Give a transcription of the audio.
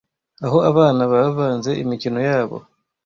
aho abana bavanze imikino yabo